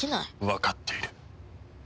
わかっている。